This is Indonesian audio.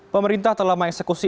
pemerintah telah mengeksekusi